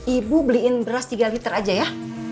ibu beliin beras tiga liter aja ya